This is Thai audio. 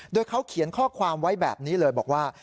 โดยเขาเขียนข้อความไว้แบบนี้เลยบอกว่า